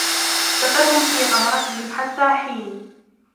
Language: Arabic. فَذَرْهُمْ فِي غَمْرَتِهِمْ حَتَّى حِينٍ